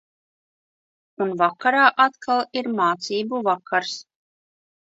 Un vakarā atkal ir mācību vakars.